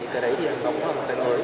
cái đấy thì nó cũng là một cái mới